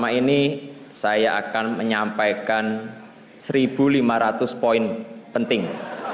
selama ini saya akan menyampaikan satu lima ratus poin penting